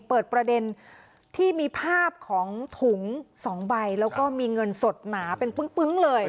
เปิดประเด็นที่มีภาพของถุง๒ใบแล้วก็มีเงินสดหนาเป็นปึ้งเลย